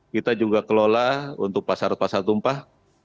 kita juga kelola untuk pasar pasar tumpah